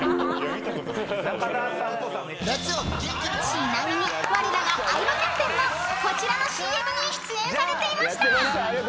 ［ちなみにわれらが相葉キャプテンもこちらのＣＭに出演されていました］